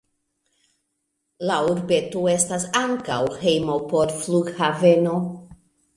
La urbeto estas ankaŭ hejmo por flughaveno.